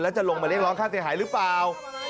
จะลงมาเรียกร้องค่าเสียหายหรือเปล่า